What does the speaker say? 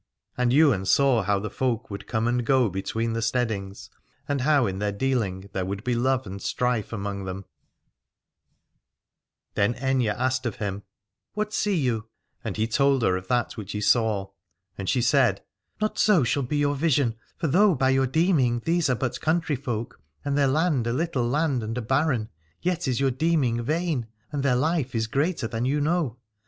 And Ywain saw how the folk would come and go between the steadings, and how in their dealing there would be love and strife among them. Then Aithne asked of him ; What see you ? s 273 A] adore And he told her of that which he saw. And she said: Not so shall be your vision, for though by your deeming these are but country folk, and their land a little land and a barren, yet is your deeming vain, and their life is greater than you know.